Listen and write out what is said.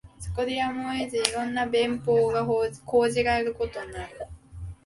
そこでやむを得ず、色んな便法が講じられることになる